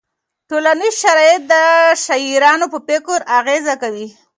ټولنیز شرایط د شاعرانو په فکر اغېز کوي.